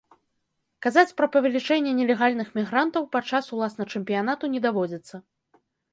Казаць пра павелічэнне нелегальных мігрантаў падчас уласна чэмпіянату не даводзіцца.